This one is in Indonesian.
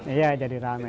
iya jadi ramai